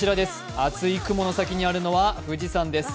厚い雲の先にあるのは富士山です。